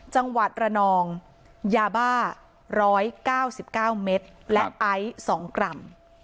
จังหวัดระนองยาบ้าร้อยเก้าสิบเก้าเมตรครับและไอ้สองกรัม